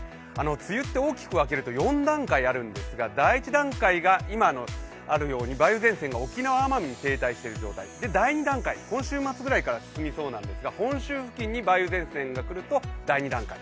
梅雨って大きく分けると４段階あるんですが第１段階が今あるように梅雨前線が沖縄・奄美に停滞している状態で、第２段階今からそれに入っていくんですが本州付近に梅雨前線が来ると第２段階。